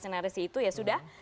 di mana senarai situ ya sudah